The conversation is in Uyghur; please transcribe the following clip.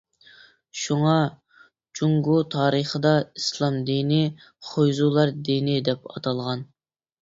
شۇڭا، جۇڭگو تارىخىدا ئىسلام دىنى خۇيزۇلار دىنى دەپ ئاتالغان.